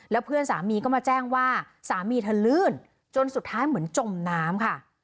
แล้วเพื่อนสามีก็มาแจ้งว่าสามีเธอลื่นจนสุดท้ายเหมือนจมน้ำค่ะ